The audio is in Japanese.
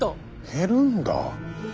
減るんだ！